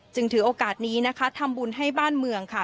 ถือโอกาสนี้นะคะทำบุญให้บ้านเมืองค่ะ